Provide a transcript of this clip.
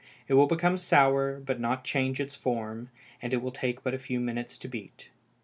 It will become sour, but not change its form; and it will take but a few minutes to beat.